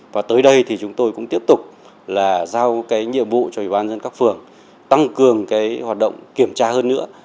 và tới đây chúng tôi cũng tiếp tục giao nhiệm vụ cho ủy ban dân các phường tăng cường hoạt động kiểm tra hơn nữa